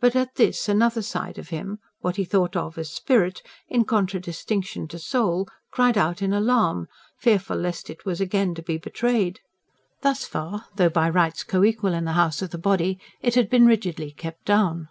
But at this another side of him what he thought of as spirit, in contradistinction to soul cried out in alarm, fearful lest it was again to be betrayed. Thus far, though by rights coequal in the house of the body, it had been rigidly kept down.